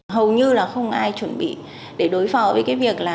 hầu như là không ai chuẩn bị để đối phó với cái việc là